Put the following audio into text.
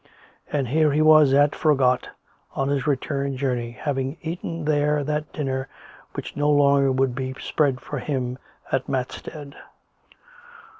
And here he was at Froggatt on his return journey, having eaten there that dinner which no longer would be spread for him at Matstead.